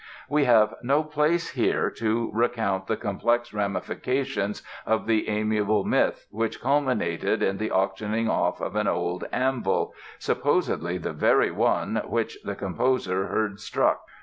We have no place here to recount the complex ramifications of the amiable myth which culminated in the auctioning off of an old anvil—supposedly the very one which the composer heard struck!